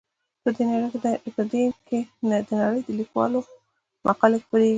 په دې کې د نړۍ د لیکوالو مقالې خپریږي.